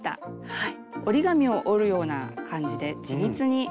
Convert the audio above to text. はい。